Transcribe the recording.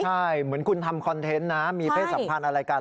ใช่เหมือนคุณทำคอนเทนต์นะมีเพศสัมพันธ์อะไรกัน